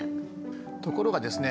ところがですね